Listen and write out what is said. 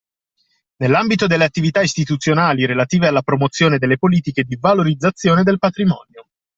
Nell’ambito delle attività istituzionali relative alla promozione delle politiche di valorizzazione del patrimonio